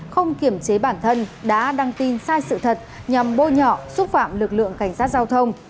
không kiểm chế bản thân đã đăng tin sai sự thật nhằm bôi nhỏ xúc phạm lực lượng cảnh sát giao thông